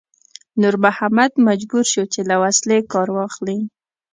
نور محمد مجبور شو چې له وسلې کار واخلي.